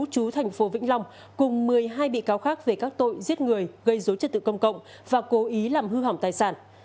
cùng một mươi hai bị cáo khác về các tội giết người gây dối trật tự công cộng và cố ý làm hư hỏng tài sản